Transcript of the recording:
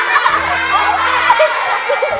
bisulan di ketek